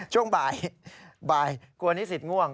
ช่วงบ่ายกลัวนิสิตง่วง